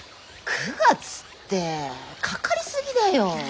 ９月ってかかりすぎだよ！